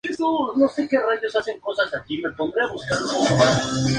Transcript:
Es rescatado por la policía y enviado a un consultorio psiquiátrico.